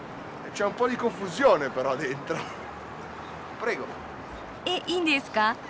えっいいんですか？